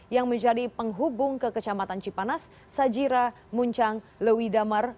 yang menjadi penghubung ke kecamatan cipanas sajira muncang lewidamar